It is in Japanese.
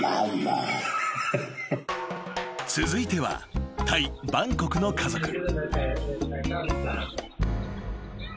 ［続いてはタイバンコクの家族］